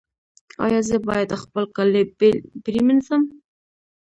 ایا زه باید خپل کالي بیل پریمنځم؟